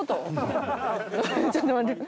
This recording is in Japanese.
ちょっと待って。